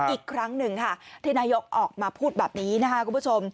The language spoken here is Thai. อีกครั้งหนึ่งค่ะที่นายกออกมาพูดแบบนี้นะคะคุณผู้ชม